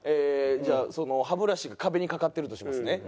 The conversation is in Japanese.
じゃあその歯ブラシが壁にかかってるとしますね。